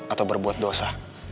atau berbuat dosa